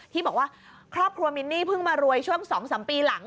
ที่บอกว่าครอบครัวมินนี่เพิ่งมารวยช่วง๒๓ปีหลัง